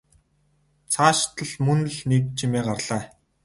Цаашилтал мөн л нэг чимээ гарлаа.